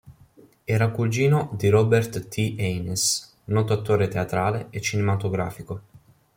Era cugino di Robert T. Haines, noto attore teatrale e cinematografico.